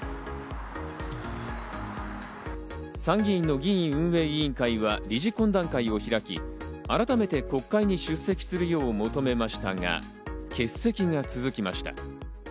参議院の議員運営委員会は臨時懇談会を開き、あらためて国会に出席するよう求めましたが、欠席が続きました。